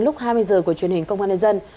lúc hai mươi h của truyền hình công an nhân dân